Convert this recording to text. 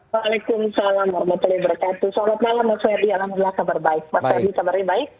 waalaikumsalam warahmatullahi wabarakatuh selamat malam mas ferdi alhamdulillah kabar baik mas ferdi kabarnya baik